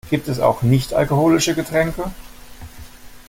Gibt es auch nicht-alkoholische Getränke?